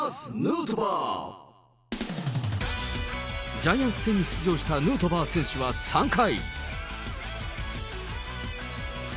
ジャイアンツ戦に出場したヌートバー選手は３回。